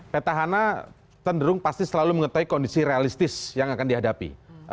peta hana tenderung pasti selalu mengetahui kondisi realistis yang akan dihadapi